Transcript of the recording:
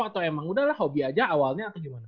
atau emang udah lah hobi aja awalnya atau gimana